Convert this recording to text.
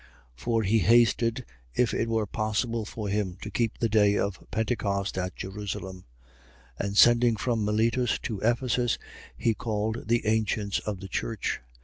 For he hasted. if it were possible for him, to keep the day of Pentecost at Jerusalem. 20:17. And sending from Miletus to Ephesus, he called the ancients of the church. 20:18.